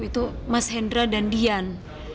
itu mas hendra dan dian